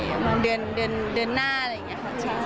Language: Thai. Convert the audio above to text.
เหมือนเดือนหน้าอะไรอย่างนี้ค่ะ